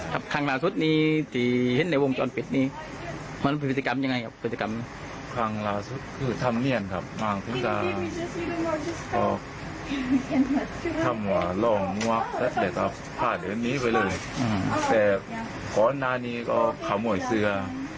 ผ่านร้านนี้ไปเลยแต่พร้อมนานนี้ก็ขโมยเสื้อ